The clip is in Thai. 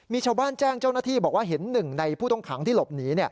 มีชาวบ้านแจ้งเจ้าหน้าที่บอกว่าเห็นหนึ่งในผู้ต้องขังที่หลบหนี